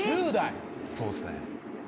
そうっすね。